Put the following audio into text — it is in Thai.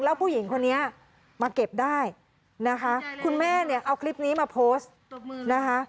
แล้วผู้หญิงคนนี้มาเก็บได้นะคะคุณแม่เนี่ยเอาคลิปนี้มาโพสต์นะคะ